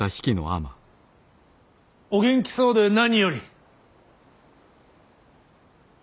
お元気そうで何より。